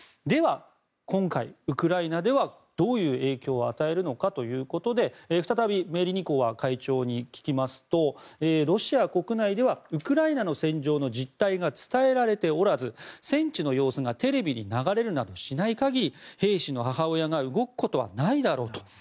では今回、ウクライナではどういう影響を与えるのかということで再びメリニコワ会長に聞きますとロシア国内ではウクライナの戦場の実態が伝えられておらず戦地の様子がテレビに流れるなどしない限り兵士の母親が動くことはないだろうと。